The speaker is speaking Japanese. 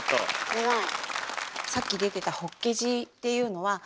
すごい。